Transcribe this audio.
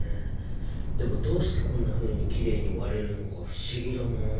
でもどうしてこんなふうにきれいに割れるのか不思議だな。